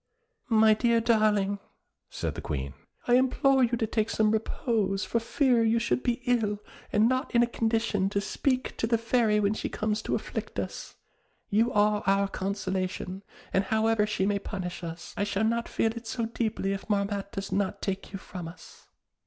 "My dear darling," said the Queen, "I implore you to take some repose for fear you should be ill and not in a condition to speak to the Fairy when she comes to afflict us; you are our consolation, and however she may punish us, I shall not feel it so deeply if Marmotte does not take you from us."